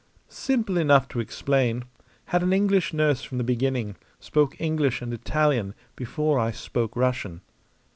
"Simple enough to explain. Had an English nurse from the beginning. Spoke English and Italian before I spoke Russian."